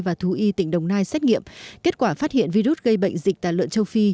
và thú y tỉnh đồng nai xét nghiệm kết quả phát hiện virus gây bệnh dịch tàn lợn châu phi